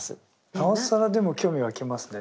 なおさらでも興味湧きますね。